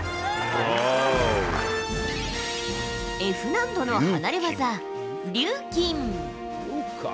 Ｆ難度の離れ技、リューキン。